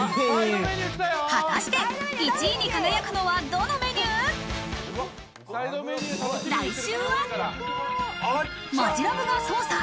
果たして１位に輝くのは、どのメニュー？